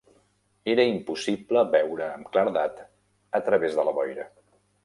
Era impossible veure amb claredat a través de la boira.